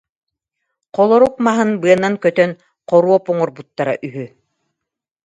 Холорук маһын быанан көтөн хоруоп оҥорбуттара үһү